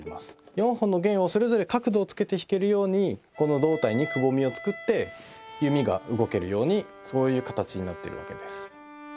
４本の弦をそれぞれ角度をつけて弾けるようにこの胴体にくぼみを作って弓が動けるようにそういう形になっているわけです。